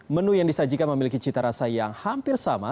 menu yang disajikan memiliki cita rasa yang hampir sama